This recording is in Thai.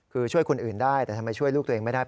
คือช่วยคนอื่นได้แต่ทำไมช่วยลูกตัวเองไม่ได้